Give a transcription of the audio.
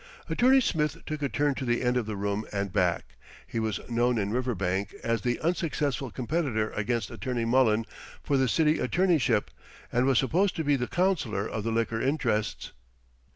Attorney Smith took a turn to the end of the room and back. He was known in Riverbank as the unsuccessful competitor against Attorney Mullen for the City Attorneyship, and was supposed to be the counselor of the liquor interests.